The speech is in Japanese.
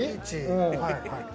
はいはい。